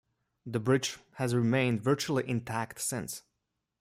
The bridge has remained virtually intact since.